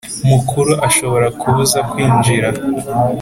Mukuru ashobora kubuza kwinjira